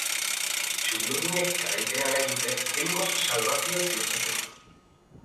Txuri-urdinek garaipena nahi dute behingoz salbazioa ziurtatzeko.